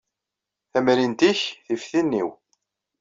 Tamrint-nnek tif tin-inu.